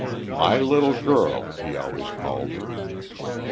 "My little girl," he always called her.